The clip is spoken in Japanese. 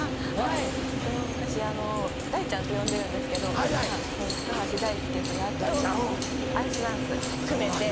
はい私あの「大ちゃん」と呼んでるんですけど高橋大輔とやっとアイスダンス組めて。